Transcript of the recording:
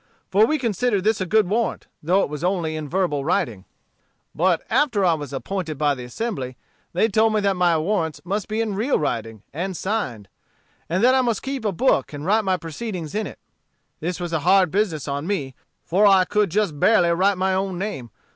For we considered this a good warrant, though it was only in verbal writing. "But after I was appointed by the Assembly, they told me that my warrants must be in real writing and signed; and that I must keep a book and write my proceedings in it. This was a hard business on me, for I could just barely write my own name.